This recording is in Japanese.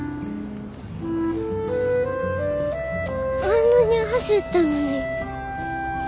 あんなに走ったのに。